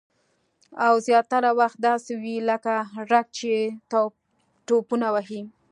او زیاتره وخت داسې وي لکه رګ چې ټوپونه وهي